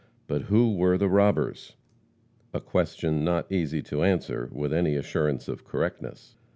But who were the robbers? A question not easy to answer with any assurance of correctness.